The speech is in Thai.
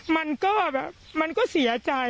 มันก็เสียใจค่ะมันก็เสียใจ